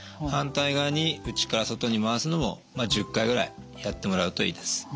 反対側に内から外に回すのも１０回ぐらいやってもらうといいです。